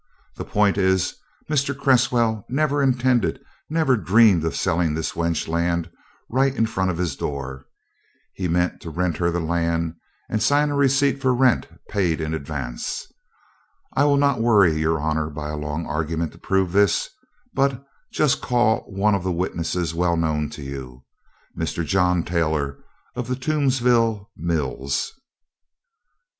The point is, Mr. Cresswell never intended never dreamed of selling this wench land right in front of his door. He meant to rent her the land and sign a receipt for rent paid in advance. I will not worry your honor by a long argument to prove this, but just call one of the witnesses well known to you Mr. John Taylor of the Toomsville mills."